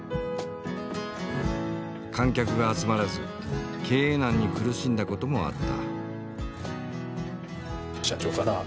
観客が集まらず経営難に苦しんだこともあった。